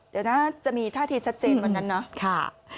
เดี๋ยวนะจะมีท่าทีชัดเจนวันนั้นเนาะ